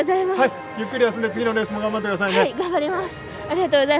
ゆっくり休んで次のレースも頑張ってください。